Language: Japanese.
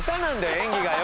演技がよ。